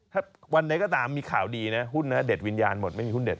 ถ้าวันไหนก็ตามมีข่าวดีนะหุ้นนะเด็ดวิญญาณหมดไม่มีหุ้นเด็